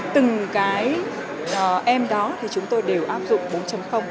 từng cái m đó thì chúng tôi đều áp dụng bốn